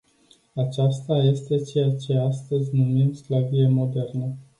Aceasta este ceea ce astăzi numim sclavie modernă.